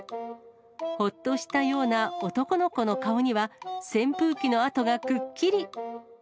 ほっとしたような男の子の顔には、扇風機の跡がくっきり。